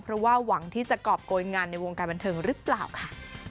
เพราะว่าหวังที่จะกรอบโกยงานในวงการบันเทิงหรือเปล่าค่ะ